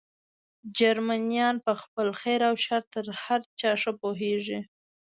جرمنیان په خپل خیر او شر تر هر چا ښه پوهېږي.